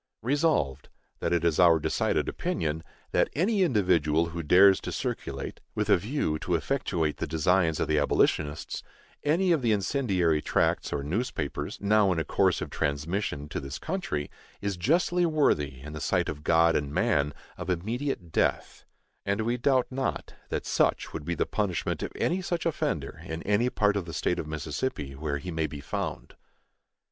Resolved, That it is our decided opinion that any individual who dares to circulate, with a view to effectuate the designs of the abolitionists, any of the incendiary tracts or newspapers now in a course of transmission to this country, is justly worthy, in the sight of God and man, of immediate death; and we doubt not that such would be the punishment of any such offender in any part of the State of Mississippi where he may be found.